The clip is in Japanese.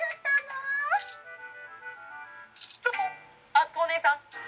「あつこおねえさん」。